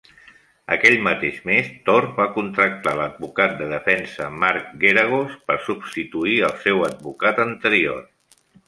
Aquell mateix mes, Thor va contractar l'advocat de defensa, Mark Geragos, per substituir el seu advocat anterior.